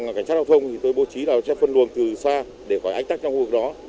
lực lượng cảnh sát giao thông thì tôi bố trí là chép phân luồng từ xa để khỏi ách tắc trong khu vực đó